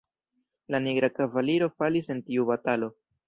La nigra kavaliro falis en tiu batalo.